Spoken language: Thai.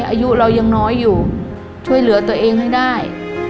อายุเรายังน้อยอยู่ช่วยเหลือตัวเองให้ได้